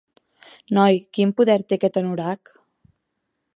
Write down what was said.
Noi, quin poder té aquest anorac?